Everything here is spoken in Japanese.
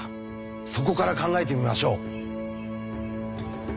そこから考えてみましょう。